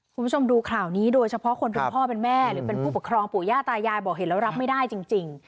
คุณผู้ชมดูข่าวนี้โดยเฉพาะคนเป็นพ่อเป็นแม่หรือเป็นผู้ปกครองปู่ย่าตายายบอกเห็นแล้วรับไม่ได้จริง